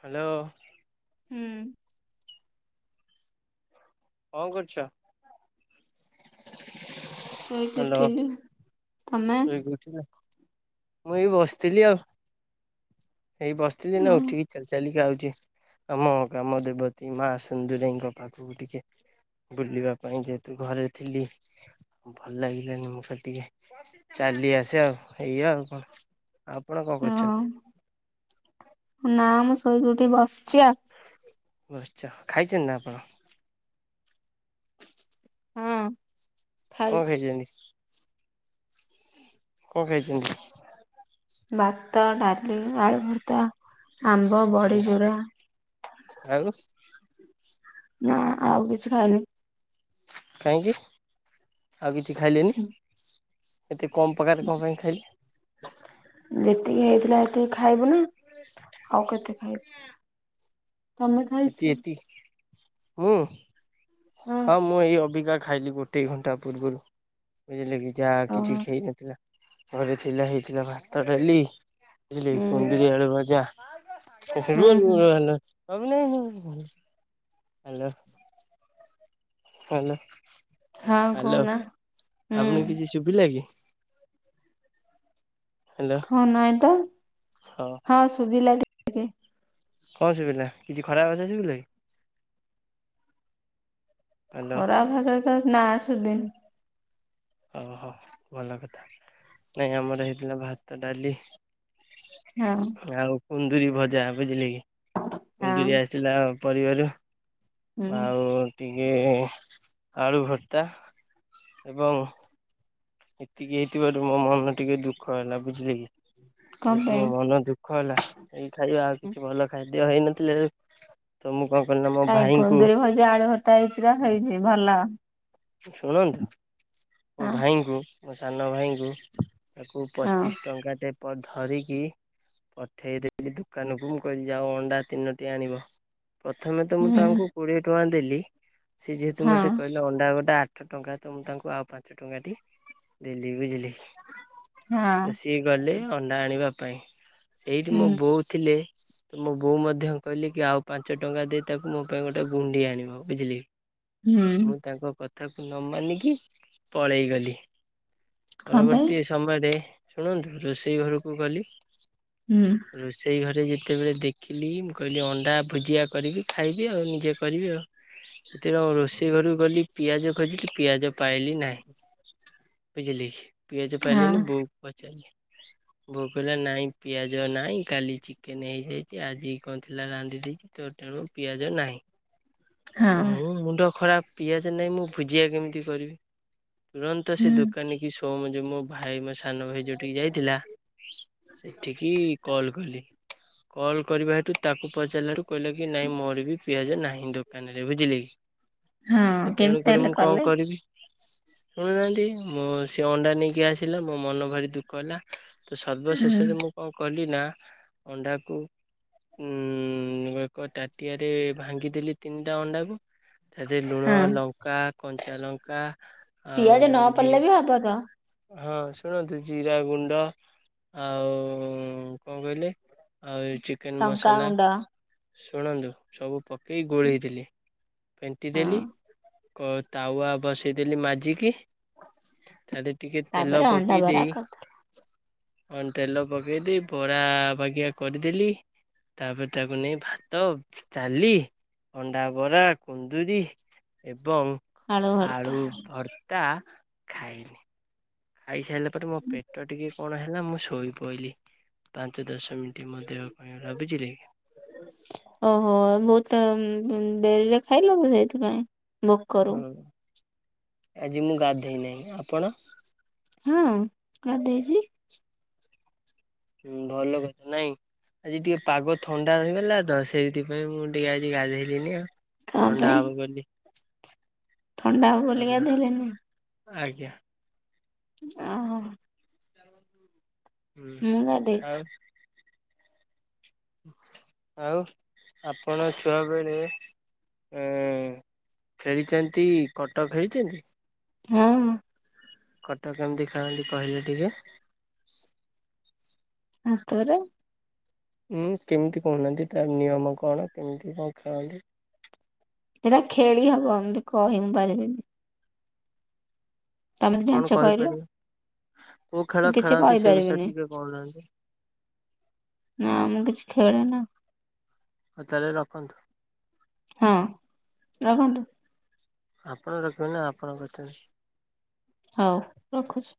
Hello. ହୁଁ। କଣ କରୁଛ? ଶୋଇକି ହ୍ୟାଲୋ ଉଠିଲି। ତମେ ଶୋଇକି ଉଠିଲ। ମୁଁ ଏଇ ବସିଥିଲି ଆଉ। ଏଇ ବସିଥିଲି ଏଇନା ଓହୋ ଉଠିକି ଚାଲି ଚାଲି କା ଆଉଛି ଆମ ଗ୍ରାମ ଦେବତୀ ମା ସିନ୍ଦୁରେଇଙ୍କ ପାଖକୁ ଟିକେ ବୁଲିବା ପାଇଁ ଯେହେତୁ ଘରେ ଥିଲି। ଭଲ ଲାଗିଲାନି ମୁଁ ସେ ଟିକେ ଚାଲି ଆସେ ଆଉ ଇଏ ଆଉ। ଆପଣ କଣ କରୁଛନ୍ତି? ନା ମୁଁ ଶୋଇକି ଉଠିକି ବସିଛି ଆଉ। ବସିଛ, ଖାଇଛନ୍ତି ନା ଆପଣ? ହଁ। କଣ ଖାଇଛି। ଖାଇଛନ୍ତି? କଣ ଖାଇଛନ୍ତି? ଭାତ, ଡ଼ାଲି, ଆଳୁ ଭର୍ତା ଆମ୍ବ, ବଡିଚୁରା। ଆଉ? ନା ଆଉ କିଛି ଖାଇନି। କାହିଁକି ଆଉ କିଛି ଖାଇଲେନି ଏତେ କମ୍ ପ୍ରକାରେ କଣ ପାଇଁ ଖାଇଲେ? ଯେତିକି ହେଇଥିଲା ସେତିକି ଖାଇବୁ ନା ଆଉ କେତେ ଖାଇବୁ। ତମେ ଖାଇଛ ଏ-ଏତି ମୁଁ? ହଁ, ମୁଁ ଏଇ ଅବିକା ଖାଇଲି ଗୋଟେ ଦି ଘଣ୍ଟା ପୂର୍ବରୁ। ବୁଝିଲେ କି ଯାହା ଓହୋ କିଛି ହେଇନଥିଲା ଘରେ ଥିଲା ହେଇଥିଲା ଭାତ, ଡାଲି ବୁଝିଲେ ହୁଁ କି କୁନ୍ଦୁରି ଆଳୁ ଭଜା। ହୁଁ ହୁଁ [unintelligible] ହଁ ହ୍ୟାଲୋ-ହ୍ୟାଲୋ କହୁନା ହୁଁ ଆପଣ କିଛି ଶୁଭୁ ଭିଲା କିି? ହଁ ନାଇଁ ତ। ହଁ ଶୁଭିଲା ଟିକେ କଣ ଶୁଭିଲା? କିଛି ଖରାପ ଭାଷା ଶୁଭିଲା କି? ହ୍ୟାଲୋ ଖରାପ ଭାଷା ତ ନାଁ ଶୁଭିନି। ଓହୋଃ ଭଲ କଥା। ନାଇଁ ଆମର ହେଇଥିଲା ଭାତ, ଡାଲି ହଁ ଆଉ କୁନ୍ଦୁରି ଭଜା। ବୁଝିଗଲି କି କୁନ୍ଦୁରି ହଁ ଆସି ଥିଲା ପରିବାରୁ ହୁଁ ଆଉ ଟିକେ ଆଳୁ ଭର୍ତ୍ତା ଏବଂ ଏତିକି ହେଇଥିବାରୁ ମୋ ମନ ଟିକେ ଦୁଃଖ ହେଲା ବୁଝିଲେ କି? କଣ ଯେହେତୁ ମୋ ପାଇଁ ମନ ଦୁଃଖ କହଲା ଏଇ ଖାଇବା ଆଉ କିଛି ଭଲ ଖାଦ୍ୟ ହେଇନଥିଲେ ତ ମୁଁ କଣ [unintelligible] କାଇହିଁ କୁନ୍ଦୁରି ଭଜା ଆଳୁ ଭର୍ତ୍ତା ହେଇଛି ତ ହେଇଛି ଭଲ। ଶୁଣନ୍ତୁ ମୋ ହଁ ଭାଇଙ୍କୁ ମୋ ସାନ ଭାଇଙ୍କୁ ତାକୁ ହଁ ପଚିଶ ଟଙ୍କା [unintelligible] ଧରିକି ପଠେଇଦି ଦୋକାନକୁ ମୁଁ କିଲି ଆଉ ଅଣ୍ଡା ତିନୋଟି ଆଣିବ। ପ୍ରଥମେ ତ ମୁଁ ହୁଁ ତାଙ୍କୁ କୋଡିଏ ଟଙ୍କା ଦେଲି, ସେ ଯେହେତୁ ହଁ ମତେ କହିଲେ ଅଣ୍ଡା ଗୋଟା ଆଠ ଟଙ୍କା ତ ମୁଁ ତାଙ୍କୁ ଆଉ ପାଞ୍ଚ ଟଙ୍କାଟି ଦେଲି ବୁଝିଲି। ହଁ। ସିଏ ଗଲେ ଅଣ୍ଡା ଆଣିବା ପାଇଁ, ସେଇଠି ହୁଁ ମୋ ବୋଉ ଥିଲେ ତ ମୋ ବୋଉ ମଧ୍ୟ କହିଲି କି ଆଉ ପାଞ୍ଚ ଟଙ୍କା ଦେଇ ତାକୁ ମୋ ପାଇଁ ଗୋଟେ ଗୁଣ୍ଡି ଆଣିବ। ହୁଁ ମୁଁ ତାଙ୍କ କଥାକୁ ନ ମାନିକି ପଳେଇ ଗଲି। କଣ ପାଇଁ ପରବର୍ତ୍ତୀ ସମୟରେ ଶୁଣନ୍ତୁ ରୋଷେଇ ଘରକୁ ଗଲି। ହୁଁ। ରୋଷେଇ ଘରେ ଯେତେବେଳେ ଦେଖିଲି ମୁଁ କହିଲି ଅଣ୍ଡା ଭୁଜିଆ କରିବି ଖାଇବି ଆଉ ନିଜେ କରିବି ଆଉ। ଏଥିରେ ରୋଷେଇ ଘରୁ ଗଲି ପିଆଜ ଖୋଜିଲି ପିଆଜ ପାଇଲି ନାହିଁ। ବୁଝିଲି କି? ପିଆଜ ହଁ ପାଇଲିଣିି ବୋଉ ପଚାରିଲି ବୋଉ କହିଲା ନହିଁ ପିଆଜ ନହିଁ କାଲି ଚିକେନ ହେଇଯାଇଛି ଆଜି କଣ ଥିଲା ରାନ୍ଧି ଦେଇଛି। ତୋଟଲୁ ପିଆଜ ନାହିଁ। [inaudible] ତ ମୁଁ ମୁଣ୍ଡ ଖରାପ ପିଆଜ ନହିଁ ମୁଁ ଭୁଜିଆ କେମିତି କରିବି? ତୁରନ୍ତ ହୁଁ ସେ ଦୋକାନୀ କି ସୋମଜ ମୋ ଭାଇ ମ ସାନ ଭାଇ ଯୋଉଥିକି ଯାଇଥିଲା ସେଠିକି କଲ କଲି। କଲ୍ କରିବା ହେଠୁ ତାକୁ ପଚାରିଲାଠାରୁ କହିଲେ କି ନାଇଁ ମୋର ବି ପିଆଜ ନାହିଁ ଦୋକାନ ରେ ବୁଝିଲେ। ହଁ ସେ କେମିତି ତେଣୁ କରି ତାହେଲେ ମୁଁ କଲେ କଣ କରିବି? ଶୁଣିୁନାହାନ୍ତି ମୁଁ ସେ ଅଣ୍ଡା ନେଇକି ଆସିଲା ମୋ ମନ ଭାରି ଦୁଃଖ। କଲା ତ ହୁଁ ସର୍ବଶେଷରେ ମୁଁ କଣ କଲି ନା ଅଣ୍ଡାକୁ ଉଁ ଏକ ଟଟିଆ ରେ ଭାଙ୍ଗିଦେଲି ତିନିଟା ଅଣ୍ଡାକୁ ଯେ ଲୁଣ ହଁ ଲଙ୍କା କଞ୍ଚା ଲଙ୍କା ପିଆଜ ଆଉ ନ ଇଏ [unintelligible] ହଁ ଶୁଣନ୍ତୁ ଜିରା ଗୁଣ୍ଡ। ଆଉ କଣ କହିଲେ ଆଉ ଚି କେନ୍ ମସଲା ଲଙ୍କାଗୁଣ୍ଡ ଶୁଣନ୍ତୁ? ସବୁ ପକେଇ ଗୋଳେଇ ଦେଲି ଫେଣ୍ଟି ଦେଲି। ହଁ କ ତାୱା ବସେଇଦେଲି ମାଜିକି, ତାଦେ ଟିକେ ତେଲ ତାପରେ ଅଣ୍ଡା ପକେଇ ଦେଇ [unintelligible] କଣ ତେଲ ପକେଦେଇ ବରା ବାଗିଆ କରିଦେଲି। ତାପରେ ତାକୁ ନେଇ ଭାତ ଡାଲି ଅଣ୍ଡା ବରା କୁନ୍ଦୁରି। ଏବଂ ଆଳୁ ଭର୍ତ୍ତା ଖାଇଲି। ଖାଇସାରିଲା ପରେ ମୋ ପେଟ ଟିକେ କଣ ହେଲା ମୁଁ ଶୋଇପଡ଼ିଲି ପାଞ୍ଚ ଦଶ ମିନିଟ୍। ଦେହ ପାଇଁ [unintelligible] ଓହୋ ବହୁ ମ ଡେରିରେ ଖାଇଲ ସେଇଥିପାଇଁ। ଭୋକରୁ ହ ଆଜି ମୁଁ ଗାଧୋଇ ନାହିଁ ଆପଣ? ହଁ ଗାଧୋଇଛି। ହୁଁ ଭଲ କ୍ ନା [unintelligible] ଆଜି ଟିକେ ପାଗ ଥଣ୍ଡା ରହିଗଲା ତ ସେଇଥିପାଇଁ ମୁଁ ଟିକେ ଆଜି ଗାଧେଇଲିନି ଆଉ। କଣ ଥଣ୍ଡା ପାଇଁ ହବ ବୋଲି। ଥଣ୍ଡା ହବ ବୋଲି ଥଣ୍ଡା ଗାଧୋଇଲେ ନି? ଆଜ୍ଞା। ଆହା। ହୁଁ ମୁଁ ଗାଧେଇଛି ଆଉ [unintelligible] ଆଉ ଆପଣ ଛୁଆ ବେଳେ ଏଁ ଖେଳିଛନ୍ତି କଟ ଖେଳିଛନ୍ତି? ହଁ। କଟ କେମିତି ଖେଳନ୍ତି କହିଲେ ଟିକେ? ହାତରେ। ଉଁ କେମିତି କହୁନାହାନ୍ତି ତାର ନିୟମ କଣ କେମିତି କଣ ଖେଳନ୍ତି? ସେଇଟା ଖେଳି ହବ ଏମତି କହି ମୁଁ ପାରିବିନି। ତମେ ତ କଣ ଜାଣିଛ କହିଲ। କହିପାରିବେ? କୋଉ ମୁଁ ଖେଳ କିଛି ଖେଳନ୍ତି ସେ ବିଷୟରେ କହିପାରିବିନି ଟିକେ କହୁନାହାନ୍ତି? ନା ମୁଁ କିଛି ଖେଳେ ନା। ହଉ ତାହେଲେ ରଖନ୍ତୁ। ହଁ ରଖନ୍ତୁ। ଆପଣ ରଖିବେ ନା ଆପଣ କରିଛନ୍ତି। ହଉ ରଖୁଛି।